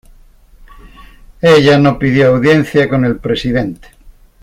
Ella no pidió audiencia con el presidente.